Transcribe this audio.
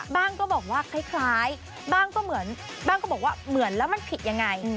บ้างก็บอกว่าคล้ายบ้างก็บอกว่าเหมือนแล้วมันผิดยังไง